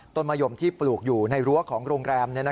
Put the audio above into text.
มะยมที่ปลูกอยู่ในรั้วของโรงแรม